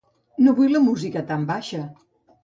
No vull la música tan baixa.